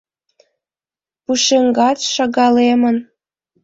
Пушеҥгат шагалемын.